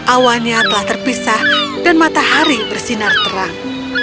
awannya telah terpisah dan matahari bersinar terang